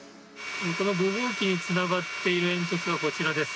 ５号機につながっている煙突がこちらです。